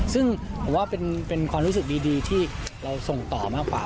ซึ่งผมว่าเป็นความรู้สึกดีที่เราส่งต่อมากกว่า